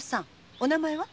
お名前は？